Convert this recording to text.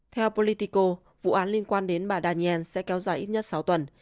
theo politico vụ án liên quan đến bà daniel sẽ kéo dài ít nhất sáu tuần